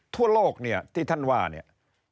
ทั่วโลกเนี่ยที่ท่านว่าเนี่ย